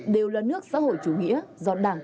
đều là nước xã hội chủ nghĩa